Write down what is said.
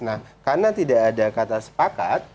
nah karena tidak ada kata sepakat